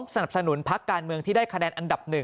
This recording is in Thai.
สนับสนุนพักการเมืองที่ได้คะแนนอันดับ๑